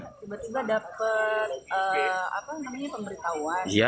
tiba tiba dapet pemberitahuan